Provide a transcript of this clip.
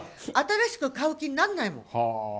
新しく買う気にならないもん。